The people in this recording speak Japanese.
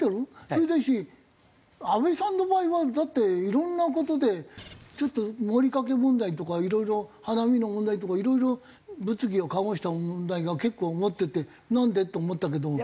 それだし安倍さんの場合はだっていろんな事でちょっとモリカケ問題とかいろいろ花見の問題とかいろいろ物議を醸した問題が結構残っててなんで？って思ったけども。